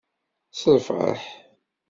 S lfeṛḥ.